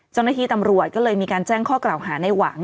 เจ้าหน้าที่ตำรวจก็เลยมีการแจ้งข้อกล่าวหาในหวัง